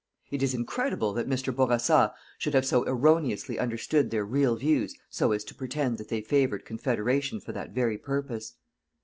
It is incredible that Mr. Bourassa should have so erroneously understood their real views so as to pretend that they favoured Confederation for that very purpose.